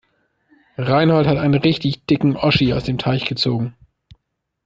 Reinhold hat einen richtig dicken Oschi aus dem Teich gezogen.